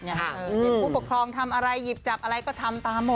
เนี้ยอืออืมผู้ปกครองทำอะไรหยิบจับอะไรก็ทำตาหมดนะ